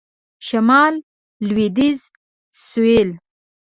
شمال .. لویدیځ .. سوېل ..